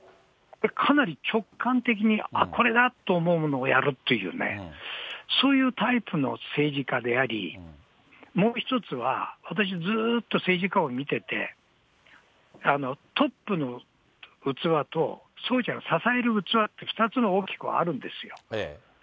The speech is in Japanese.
かなり直感的に、あっ、これだと思うものをやるっていうね、そういうタイプの政治家であり、もう一つは、私、ずっと政治家を見てて、トップの器と、そうじゃなく支える器と、２つの大きくあるんですよ。